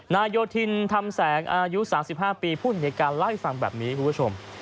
นายโยธินธรรมแสงอายุ๓๕ปีพูดในการเล่าให้ฟังแบบนี้คุณผู้ชม